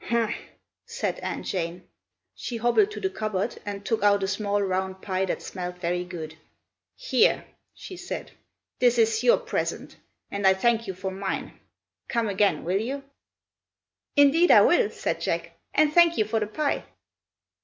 "Humph!" said Aunt Jane. She hobbled to the cupboard and took out a small round pie that smelt very good. "Here!" she said. "This is your present, and I thank you for mine. Come again, will you?" "Indeed I will!" said Jack, "and thank you for the pie!"